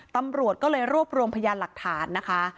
ตำรวจก็เลยรวบรวมพยานหลักฐานนะคะ